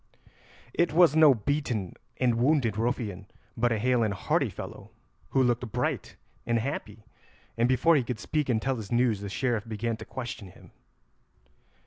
It was no beaten and wounded ruffian, but a hale and hearty fellow, who looked bright and happy, and before he could speak and tell his news the Sheriff began to question him.